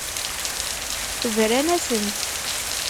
Bran-asent.